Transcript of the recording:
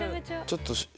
ちょっと。